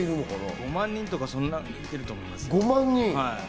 ５万人とかいってると思います。